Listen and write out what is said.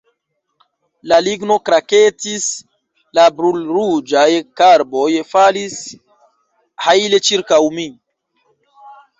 La ligno kraketis; la brulruĝaj karboj falis hajle ĉirkaŭ mi.